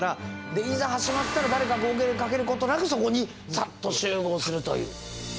でいざ始まったら誰か号令かけることなくそこにサッと集合するという。